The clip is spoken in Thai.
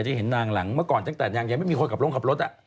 ตั้งแต่นางยังไม่มีคนกลับลงกลับรถอะ